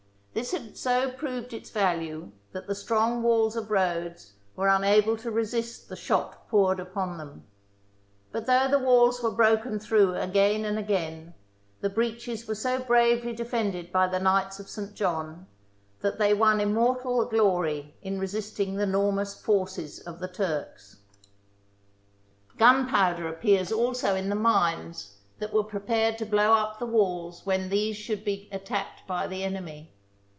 This had so proved its value that the strong walls of Rhodes were unable to resist the shot poured upon them. But though the walls were broken through again and again, the breaches were so bravely defended by the Knights of St. John that they won immortal glory in resisting the enormous forces of the Turks. o .9 d cS d o &c .5 d W u 3 THE FALL OF CONSTANTINOPLE Gunpowder appears also in the mines that were prepared to blow up the walls when these should be attacked by the enemy.